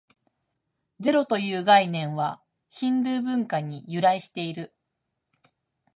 ゼロという概念は、ヒンドゥー文化に由来している。